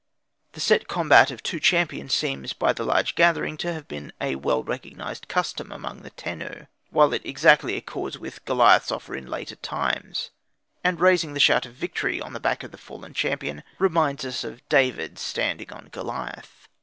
The set combat of two champions seems by the large gathering to have been a well recognised custom among the Tenu, while it exactly accords with Goliath's offer in later times. And raising the shout of victory on the back of the fallen champion reminds us of David's standing on Goliath.